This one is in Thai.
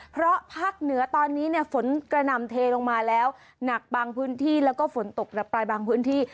เพราะภาคเหนือตอนนี้เนี่ยฝนกระหน่ำเทลงมาแล้วหนักบางพื้นที่แล้วก็ฝนตกระบายบางพื้นที่